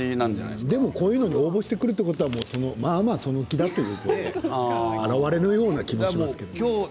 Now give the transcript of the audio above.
でもこういうのに応募してくるということはまあまあその気の表れのような気がしますけれどもね。